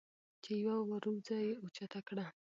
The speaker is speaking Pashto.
چې يوه وروځه یې اوچته کړه